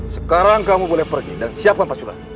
sekarang kamu boleh pergi dan siapkan pasukan